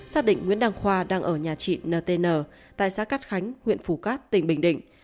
xác định nguyễn đăng khoa đang ở nhà chị ntn tại xã cát khánh huyện phù cát tỉnh bình định